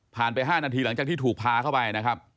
ไป๕นาทีหลังจากที่ถูกพาเข้าไปนะครับ